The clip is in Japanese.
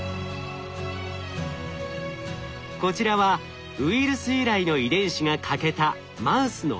こちらはウイルス由来の遺伝子が欠けたマウスの脳の画像。